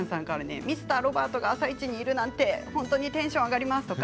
そしてミスターロバートが「あさイチ」にいるなんて本当にテンションが上がります。